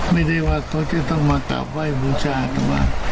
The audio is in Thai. ไม่ได้ว่าเขาจะต้องมาตาไว้บูชาติบ้าง